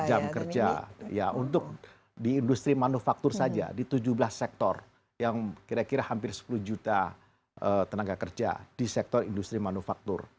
jam kerja ya untuk di industri manufaktur saja di tujuh belas sektor yang kira kira hampir sepuluh juta tenaga kerja di sektor industri manufaktur